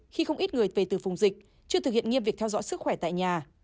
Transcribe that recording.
khi không ít người về từ vùng dịch chưa thực hiện nghiêm việc theo dõi sức khỏe tại nhà